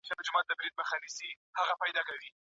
هر ښاري غواړي په خپل کور کې سمندر ولري